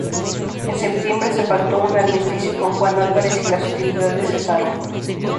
En septiembre, se pactó un armisticio con Juan Álvarez y las hostilidades cesaron.